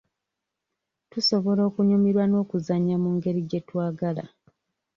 Tusobola okunyumirwa n'okuzannya mu ngeri gye twagala.